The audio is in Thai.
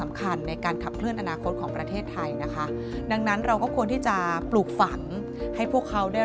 โมงถึงเที่ยงในรายการตลัดข่าว